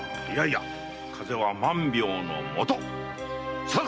いやいや風邪は万病のもと！